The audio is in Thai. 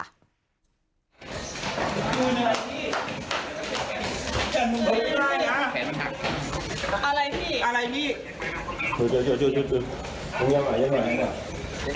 อะไรพี่อะไรพี่ดูดูดูดู